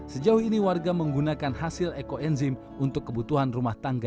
sejauh ini warga menggunakan hasil ekoenzim untuk kebutuhan rumah tangga